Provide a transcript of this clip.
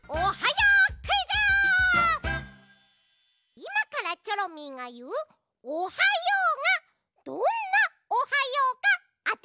いまからチョロミーがいう「おはよう」がどんな「おはよう」かあててください。